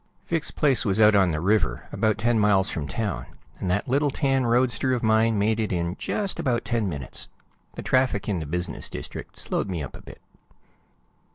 Vic's place was out on the river, about ten miles from town, and that little tan roadster of mine made it in just about ten minutes. The traffic in the business district slowed me up a bit.